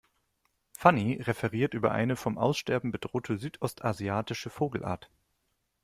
Fanny referiert über eine vom Aussterben bedrohte südostasiatische Vogelart.